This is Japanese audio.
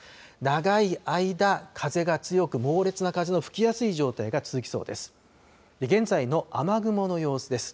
長い間、風が強く、猛烈な風の吹きやすい状態が続きそうです。